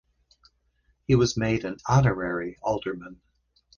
He was made an honorary alderman.